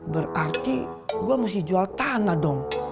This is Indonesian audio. berarti gue mesti jual tanah dong